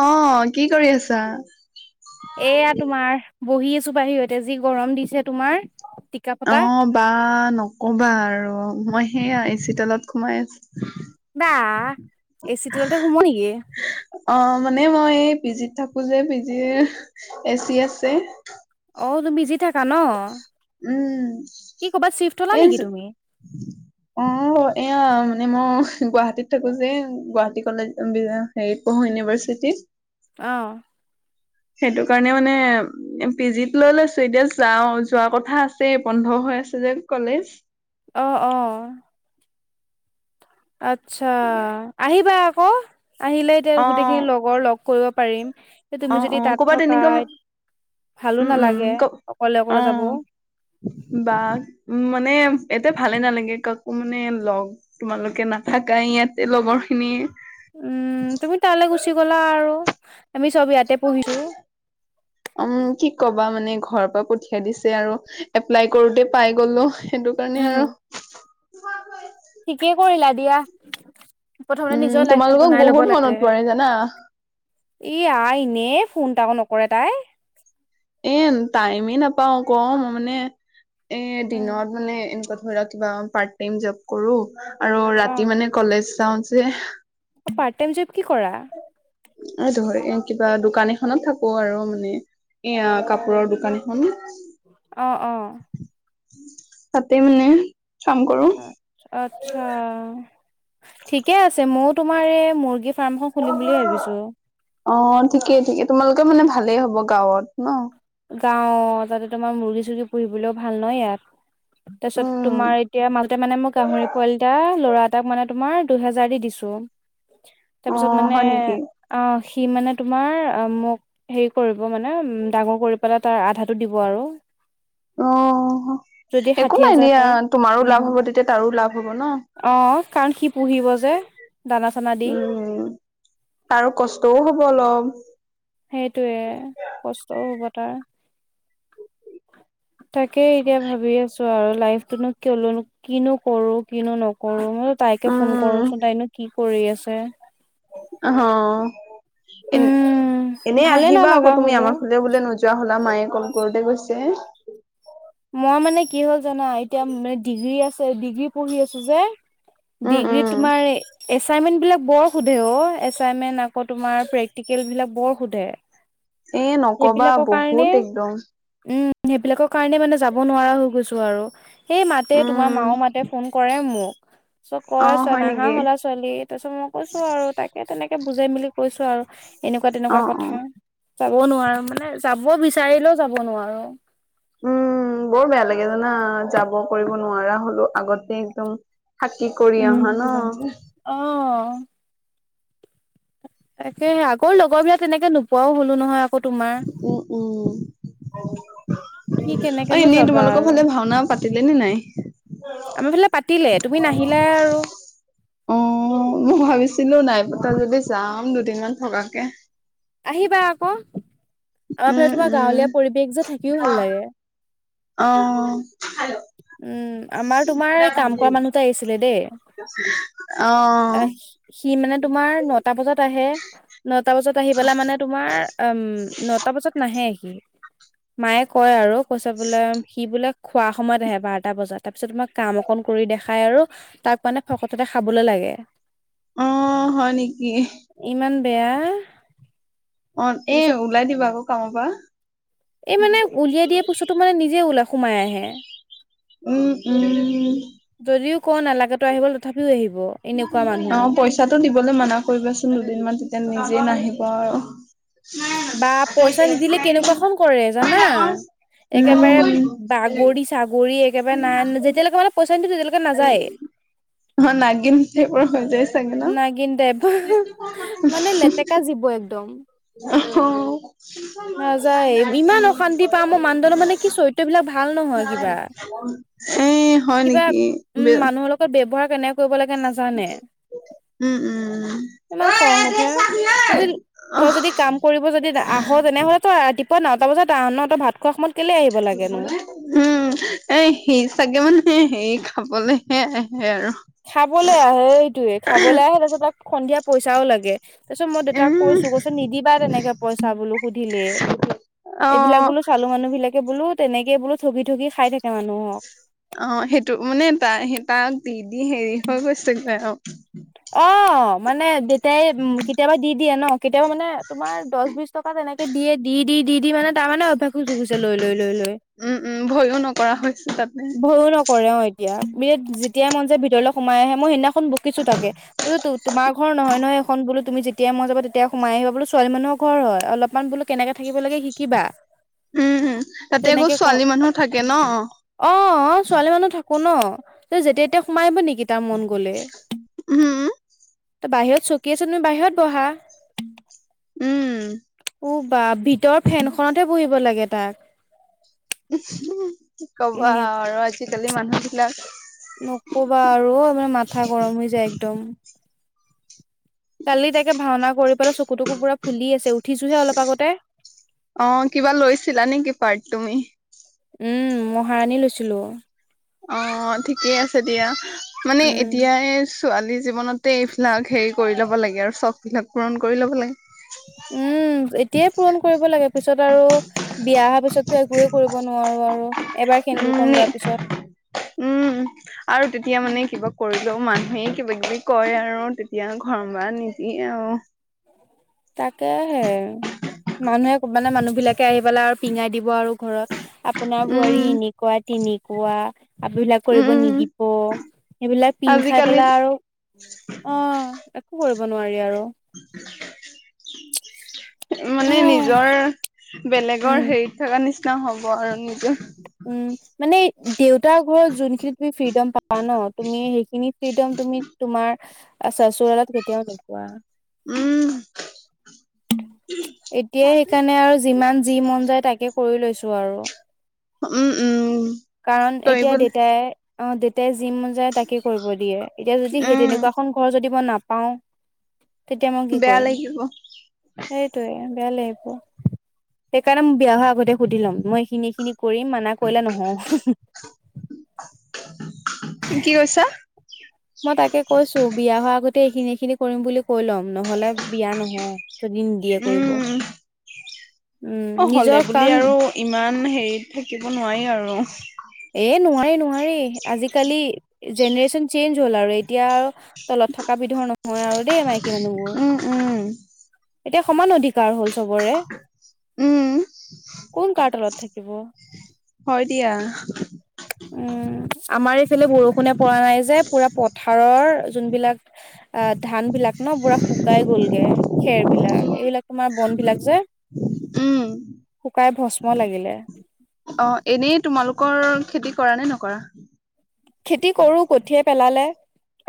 অ কি কৰি আছা। এয়া তোমাৰ বহি আছো বাহিৰতে যি গৰম দিছে তোমাৰ। টিকা অ ফটা বা নকবা আৰু মই সেইয়াই এচি তলত সোমাই আছো বা এচি তলতে ঘোম নেকি অ' মানে মই এই পি জিত থাকো যে পি জিৰ এ চি আছে অ তুমি পিজিত থাকা ন উম কি ক'বাত চিফ্ট হলা এ নেকি তুমি অ এয়া। মানে মই গুৱাহাটীত থাকো যে গুৱাহাটী কলেজ হেৰি পঢ়ো ইউনিভাৰ্চিটি অহ সেইটো কাৰণে মানে পি জিত লৈ লৈছো এতিয়া যাও যোৱা কথা আছে বন্ধ হৈ আছে যে কলেজ। অহ অ আচ্ছা আহিবা আকৌ আহিলে এতিয়া গোটেইখিনি অ', লগৰ লগ কৰিব পাৰিম। তুমি অ', যদি অ' তাত ক'বাত থকা এনেকুৱা ভালো উম, উম, নালাগে ক অকলে অকলে যাব। অ'। বা উ মানে এ তে ভালে নালাগে কাকো মানে লগ তোমালোকে নাথাকাই ইয়াতে লগৰ খিনি উম তুমি তালৈ গুচি গ'লা আৰু। আমি চব ইয়াতে পঢ়িছো। উম কি কবা মানে ঘৰৰ পৰা পঠিয়াই দিছে আৰু এপ্লাই কৰোতে পাই গলো সেইটো কাৰণে আৰু [unintelligible] ঠিকে কৰিলা দিয়া। প্ৰথমতে উম নিজৰ লাইফটো তোমালোকক বনাই ল'ব বহুত মনত লাগে পৰে জানা এ আই এনে ফোন এটা নকৰে তাই এ টাইমে নাপাও ক মই মানে এ উম, দিনত মানে এনেকোৱা ধৰা কিবা পাৰ্ট টাইম জব কৰো আৰু অ', ৰাতি মানে কলেজ চাও যে। পাৰ্ট টাইম জব কি কৰা। এইটো হয় এ কিবা দোকান এখনত থাকো আৰু মানে। এয়া কাপোৰৰ দোকানখন। অ অ তাতে মানে কাম কৰো আত্ছা [unintelligible] ঠিকে আছে ময়ো তোমাৰ এই মুৰ্গী ফাৰ্মখন খুলিম বুলিয়ে ভাবিছোঁ অ ঠিকেই ঠিকে তোমালোকে মানে ভালেই হব গাঁৱত ন যাও তাতে তোমাৰ মুৰ্গী চৰ্গী পঢ়িবলৈও ভাল নহ ইয়াত তাৰপিছত উম তোমাৰ এতিয়া মাল মানে মোৰ গাহৰি পোৱলী এটা লৰা তাক মানে তোমাৰ দুহেজাৰ দি দিছো অ তাৰপিছত মানে হয় নেকি অ সি মানে তোমাৰ অ মোক হেৰি কৰিব মানে ডাঙৰ কৰিব পেলাই তাৰ আধাটো দিব আৰু অ যদি ষাঠি একো নাই হাজাৰ দিয়া পায় তোমাৰো উম। লাভ হ'ব তেতিয়া তাৰো লাভ হব ন অ কাৰণ কি পুহিব যে দানা চানা দি উম তাৰ কষ্টও হব অলপ সেইটোৱে কষ্টও হ'ব তাৰ [inaudible] তাকে এতিয়া ভাবি আছো আৰু লাইফতোনো কেলেনো কিনো কৰো কিনো নকৰো ম তাইকে ফোন উম কৰোচোন তাইনো কি কৰি আছে। এনে উম এনেই ভালে আহিবা আকৌ নালাগা তুমি হলো আমাৰ সৈতে বোলে নোযোৱা হলা মায়ে কলকৰোতে গৈছে মই মানে কি হ'ল জানা এতিয়া ডিগ্ৰী আছে ডিগ্ৰী পঢ়ি আছো যে উম উম ডিগ্ৰীত তোমাৰ এছাইনমেণ্ট বিলাক বৰ সোধে অ এচাইনমেন্ট আকৌ তোমাৰ প্ৰেক্টিকেল বিলাক বৰ সোধে এ নকবা সেইবিলাকৰ বহুত কাৰণে একদম উম সেইবিলাকৰ কাৰণে মানে যাব নোৱাৰা হৈ গৈছো আৰু সেই মাতে তোমাৰ উম মা মাতে ফোন কৰে মোক চ অ কয় চোৱা হয় নাহা নেকি হলা ছোৱালী তাৰ পিছত মই কৈছো আৰু তাকে তেনেকে বুজাই মেলি কৈছো আৰু এনেকুৱা অ তেনেকুৱা অ কথা যাব নোৱাৰো মানে যাব বিচাৰিলেও যাব নোৱাৰো উম বৰ বেয়া লাগে জানা যাব কৰিব নোৱাৰা হলো আগতে একদম থাকাকি কৰি উম, অহা ন অ', তাকে আগৰ লগৰ বিলাক তেনেকে নোপোৱাও হ'লো নহয় আকৌ তোমাৰ। উম উম কি অ কেনেকেনো এনেই যাবা তোমালোকৰ আৰু ফালে ভাওনা পাতিলে নে নাই আমাৰ ফালে পাতিলে তুমি নাহিলা আৰু অ মই ভাবিছিলো নাই পতা যদি যাম দুদিনমান থকাকে আহিবা আকৌ আমাৰ ফালে উম তোমাৰ উম গাঁৱলীয়া পৰিবেশ যে থাকিও ভাল লাগে উম অ আমাৰ তোমাৰ এই কাম কৰা মানুহতে আহিছিলে দেই [inaudible] আহ সি মানে তোমাৰ নটা বজাত আহে নটা বজাত আহি পেলা মানে তোমাৰ উম নটা বজাত নাহে সি মায়ে কয় আৰু কৈছে বোলে সি বোলে খোৱা সময়ত আহে বাৰটা বজাত তাৰপিছত তোমাক কাম অকন কৰি দেখাই আৰু তাক মানে ভকততে খাবলৈ লাগে। অ হয় নেকি ইমান বেয়া অ এ তাৰপিছত ওলাই দিবা আকৌ কামৰ পৰা এই মানে উলিয়াই দিয়া পাছটো মানে নিজে ওলাই সোমাই আহে উম উম যদিও কও নালগে তই আহিব তথাপিও আহিব এনেকুৱা অ মানুহ পইচাটো দিবলৈ মানা কৰিবাচোন দুদিনমান তেতিয়া নি আজি নাহিব আৰু। বা পইচা নিদিলে কেনেকোৱাখন কৰে জানা একেবাৰে উম বাগৰি ছাগৰি একেবাৰে নাই যেতিয়ালৈকে মানে পইচা নিদিওঁ তেতিয়ালৈকে নাযায় অ নাগিন চেপৰ হৈ যায় চাগে ন নাগিন তাইপ মানে লেতেকা জীৱ একদম অ ৰাজাই ইমান অশান্তি পাাম মই মানুহজন মানে কি চৰিত্ৰ বিলাক ভাল নহয় কিবা এ হয় কিবা নেকি উম বি মানুহৰ লগত ব্যৱহাৰ কেনেকে কৰিব লাগে নাজানে উম উম ইমান খং উঠে তজি [unintelligible] অ তই যদি কাম কৰিব যদি আহ তেনেহলে তই ৰাতিপুৱা নটা বজাত আহ ন তই ভাত খোৱা সময়ত কেলে আহিব লাগেনো উম এ সি চাগে মানে সি সে খাবলৈহে আহে আৰু। খাবলৈ আহে এইটোয়ে খাবলৈ আহে তাছত তাক সন্ধিয়া পইচাও লাগে। তাৰ পিছত মই দেউতাক উম কৈছো কৈছৈ নিদিবা তেনেকে পইচা বোলো সুধিলে। অ এইবিলাক বোলো চালো মানুহ বিলাকে বোলো তেনেকে বোলো ঠগি ঠগি খাই থাকে মানুহক অ সেইটো মানে তাই স তাক দি দি হেৰি হৈ গৈছেগৈ আৰু। অ মানে দেউতাই কেতিয়াবা দি দিয়ে ন কেতিয়াবা মানে তোমাৰ দহ বিশ টকা তেনেকে দিয়ে দি দি দি দি মানে তাৰমানে অভ্যাসো যোগিছে লৈ লৈ লৈ লৈ উম উম ভয়ো নকৰা হৈছে তাতে ভয় কৰে অ এতিয়া যেতিয়াই মন যাই ভিতৰলৈ সোমাই আহে মই সেইদিনাখন বকিছো তাকে বোলো তোমাৰ ঘৰ নহয় নহয় এখন বোলো তুমি যেতিয়া মন যাব তেতিয়া সোমাই আহিবা বোলো ছোৱালী মানুহৰ ঘৰ হয় অলপমান বোলো কেনেক থাকিব লাগে শিকিবা উম উম তাতে আকৌ তেনেকে কওঁ ছোৱালী মানুহ থাকে ন অ ছোৱালী মানুহ থাকো ন তাই যেতিয়া এতিয়া সোমাই আহিব নি কি তাৰ মন গলে উম ত বাহিৰত চকী আছে তুমি বাহিৰত বহা উম উ বা ভিতৰ ফেনখনতে বহিব লাগে তাক কি কবা এনে আৰু আজিকালি মানুহ বিলাক। নকবা আৰু ঐ মানে মাথা গৰম হৈ যায় একদম। কালি তাকে ভাওনা কৰি পেলাই চকু টকু পুৰা ফুলি আছে উঠ অ কিবা লৈছিলা নেকি পাৰ্ট তুমি উম মহাৰণী লৈছিলো। অ ঠিকেই আছে দিয়া মানে উম, এতিয়াই ছোৱালী জীৱনতে এইবিলাক হেৰি কৰি ল'ব লাগে আৰু চখবিলাক পূৰণ কৰি ল'ব লাগে। উম এতিয়াই পূৰন কৰিব লাগে পিছত আৰু বিয়া অহা পিছতো একোয়ে কৰিব নোৱাৰো আৰু এবাৰ সেন্দুৰ কন উম লোৱাৰ পিছত ছাত উম আৰু তেতিয়া মানে কিবা কৰি মানুহে কিবা কিবি কৰে আৰু তেতিয়া ঘৰ বা নিদিয়ে আৰু। তাকে হে মানুহে মানে মানুহ বিলাকে আহি পেলাই আৰু পিঙাই দিব আৰু ঘৰত। আপোনাৰ বোৱাৰী উম এনেকোৱা তেনেকোৱা আপ বিলাক কৰিব উম নিদিব সেইবিলাক পিন্ধ খাই আজিকালি পেলাই আৰু অ একো কৰিব নোৱাৰি আৰু। মানে নিজৰ উম। বেলেগৰ হেৰিত থকা নিচিনা হ'ব আৰু নিজৰ উম মানে দেউতাৰ ঘৰত যোন য ত তুমি ফ্ৰীডম পা ন তুমি সেইখিনি ফ্ৰীডম তুমি তোমাৰ [unintelligible] আচ্ছা চোৰালত কেতিয়াও নোপোৱা [unintelligible] উম এতিয়াই সেইকাৰণে আৰু যিমান যি মন যায় তাকে কৰি লৈছো আৰু উম উম কাৰণ এতিয়া কৰিবলৈ দেউতাই অ দেউতাই যি ম যায় তাকে কৰিব দিয়ে এতিয়া যদি সেই উম তেনেকুৱাখন ঘৰ যদি নাপাও তেতিয়া মই কি বেয়া কৰিম লাগিব সেইটোৱে বেয়া লাগিব সেইকাৰণে মই বিয়া হোৱা আগতে সুধি লম মই এইখিনি এইখিনি কৰিম মানা কৰিলে নহও কি কৈছা মই তাকে কৈছো বিয়া হোৱা আগতে এইখিনি এইখিনি কৰিম বুলি কৈ ল'ম নহ'লে বিয়া নহও যদি নিদিয়ে কৰিব। উম অ উম হ'লে নিজৰ বুলি কাৰণ আৰু ইমান হেৰিত থাকিব নোৱাৰি আৰু এ নোৱাৰি নোৱাৰি আজিকালি জেনেৰেশ্যন চেইঞ্জ হ'ল আৰু এতিয়া আৰু তলত থকা বিধৰ নহয় আৰু দেই মাইকী মানুহবোৰ উম উম এতিয়া সমান অধিকাৰ হল চবৰে উম কোন কাৰ তলত থাকে এবোৰ হয় দিয়া উম আমাৰ এইফালে বৰষুণে পৰা নাই যে পুৰা পথাৰৰ যোনবিলাক অ ধান বিলাক ন পুৰা শুকাই গলগে খেৰ বিলাক এইবিলাক তোমাৰ বন বিলাক যে উম শুকাই ভস্ম লাগিলে অ এনেই তোমালোকৰ খেতি কৰা নে নকৰা খেতি কৰো কঠীয়া পেলালে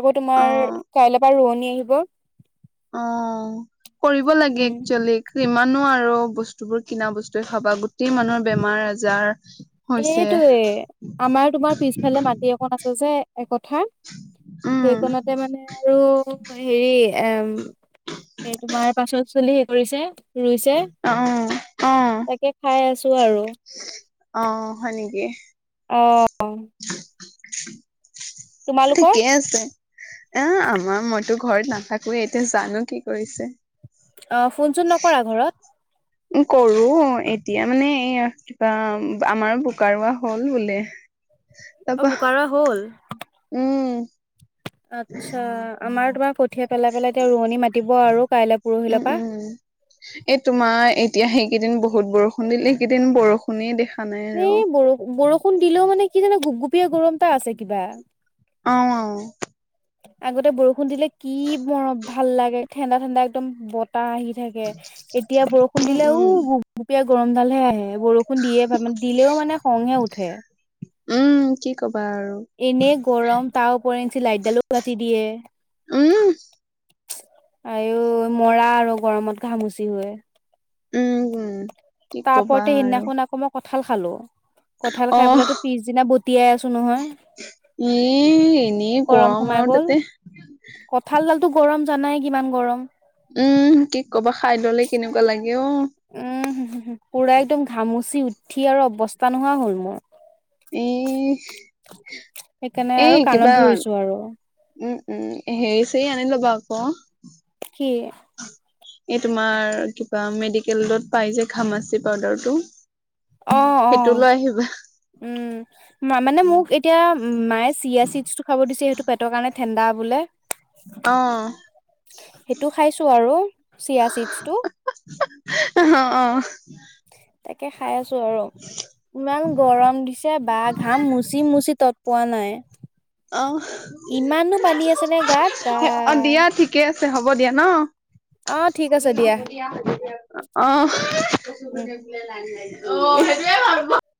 আকৌ অ তোমাৰ কাইলৈ পৰা ৰোৱনী আহিব অ কৰিব লাগে উম একচোলি ইমান [unintelligible] নোৱাৰো বস্তু বোৰ কিনা বস্তুৱে খাবা গোটেই মানুহৰ বেমাৰ আজাৰ হৈছে এইটোৱে আমাৰ তোমাৰ পিছফালে মাটি এক আছে যে একথা উম সেইখনতে মানে আৰু হেৰি এম তোমাৰ পাচল চলি হে কৰিছে [unintelligible] ৰুইছে অ অ তাকে খাই আছো আৰু অ হয়নেকি অঁ ঠিকেই আছে এ আমাৰ মইতো ঘৰত নাথাকুৱে এতিয়া জানো কি কৰিছে অ ফোন চোন নকৰা ঘৰত উ কৰো এতিয়া মানে এই কিবা আমাৰো বোকা ৰোৱা হল বোলে অ তাৰ পা বোকাৰুৱা হ'ল উম আচ্ছা আমাৰ তোমাৰ কত কঠীয়া পেলাই পেলাই তো ৰোৱনী মাতিব আৰু কাইলৈ উম, পৰহিলৰ উম। পৰা এই তোমাৰ এতিয়া সেইকেইদিন বহুত বৰষুণ দিল এইকেইদিন বৰষুণে দেখা নাই আৰু। এই বৰ বৰষুণ দিলেও মানে কি জানো গুপগুপিয়া গৰম এটা আছে কিবা অ আগতে বৰষুণ দিলে কি মৰম ভাল লাগে ঠাণ্ডা ঠাণ্ডা একদম বত টা আহি থাকে এতিয়া বৰষুণ উম, দিলে উম, ওঁ গুপগুপিয়া গৰম ডালহে আহে বৰষুণ দিয়ে দিলেও মানে খঙহে উঠে উম কি কব এনেই গৰম তাৰ ওপৰে এঞ্চ [unintelligible] লাইটডালো কাটি দিয়ে উম, আই ঐ আৰু মৰা আৰু গৰমত ঘামুচি হৈ উম উ তাৰোপৰতে সেই দিনা খন মই আক কথা কঁঠাল খালো কঁঠাল খাই পেলাইটো পিছদিনা বতিয়াই আছো নহয়। এই এনে গৰম সোমাই আৰু গ'ল। তাতে কঁঠালডালতো গৰম জানাই কিমান গৰম। উম কি কবা খাই ললে কেনেকুৱা লাগে। অ'। উম পুৰা একদম ঘামুচি উঠি আৰু অৱস্থা নোহোৱা হ'ল মোৰ। এ সেইকাৰণে এ আৰু কাণত কিবা ধৰিছো আৰু উম। উম হেৰি চেৰি আনি লবা আক কি এই তোমাৰ কিবা মেডিকেলত পাই যে ঘামচি পাউদাৰটো। অ অ সেইটো লৈ আহিবা উম মানে মোক এতিয়া মায়ে চিয়া চিড টো খাব দিছ সেইটো পেৰ কাৰণে ঠাণ্ডা বোলে। অ সেইটো খাইছো আৰু চিয়া চিডচটো। [unintelligible] অ অ তাকে খাই আছো। আৰু ইমান গৰম দিছে বা ঘাম মুচি মুচি তত পোৱা নাই। অ ইমানো পানি আছে নে গাত বা অ', দিয়া ঠিকে হ'ব দিয়া অ ঠিক আছে নহ দিয়া আহ আহ উম সেইটোৱে হয়।